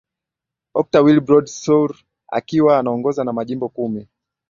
okta wilbrod sur akiwa anaongoza na majimbo kumi